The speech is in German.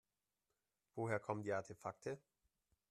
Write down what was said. Woher kommen die Artefakte?